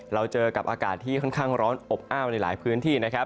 เราเจอกับอากาศที่ค่อนข้างร้อนอบอ้าวในหลายพื้นที่นะครับ